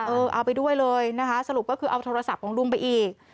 เอาไปด้วยเลยนะคะสรุปก็คือเอาโทรศัพท์ของลุงไปอีก